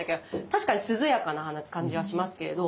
確かに涼やかな感じはしますけれど。